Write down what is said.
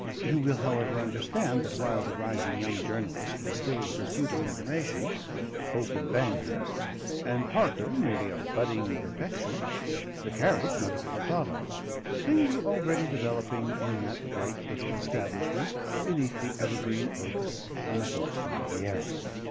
You will, however, understand that while the rising young journalist was still in pursuit of information, Hope and Banghurst, and Parker merely a budding perfection, the carriage not even thought of, things were already developing in that bright little establishment beneath the evergreen oaks on the Folkestone Riviera.